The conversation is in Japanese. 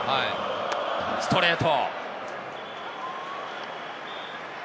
ストレート。